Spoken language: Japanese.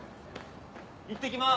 いってきます！